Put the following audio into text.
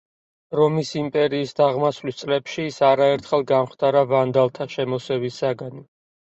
რომის იმპერიის დაღმასვლის წლებში ის არაერთხელ გამხდარა ვანდალთა შემოსევის საგანი.